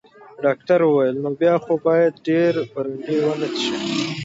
ډاکټر وویل: نو بیا خو باید ډیر برانډي ونه څښې.